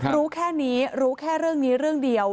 รู้แค่นี้รู้แค่เรื่องนี้เรื่องเดียว